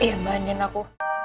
iya mbah andien aku